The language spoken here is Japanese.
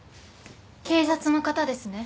警察の方ですね。